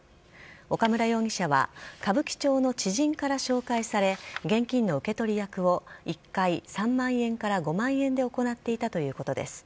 岡村容疑者は、歌舞伎町の知人から紹介され、現金の受け取り役を１回３万円から５万円で行っていたということです。